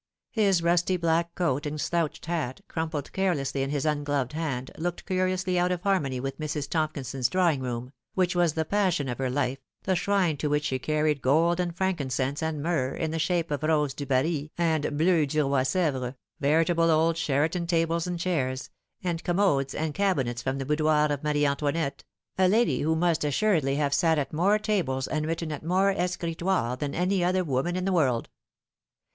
His rusty black coat and slouched hat, crumpled carelessly in 1m ungloved hand, looked curiously out of harmony with Mrs. Tomkison's drawing room, which was the passion of her life, the shrine to which she carried gold and frankincense and myrrh, in the shape of rose du Barri and Ueue dv, Roi Sdvres, veritable old Sheraton tables and chairs, and commodes and cabinets from the boudoir of Marie Antoinette, a lady who 158 The Fatal Three. must assuredly have sat at more tables and written at more escritoires than any other woman in the world.